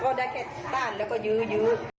ได้แค่ต้านแล้วก็ยื้อ